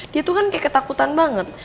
dia tuh kan kayak ketakutan banget